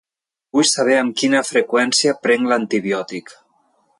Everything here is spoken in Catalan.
Vull saber amb quina freqüència prenc l'antibiòtic.